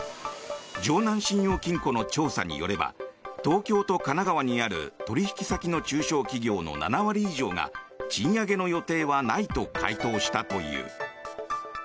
城南信用金庫の調査によれば東京と神奈川にある取引先の中小企業７割以上が賃上げの予定はないと回答したという。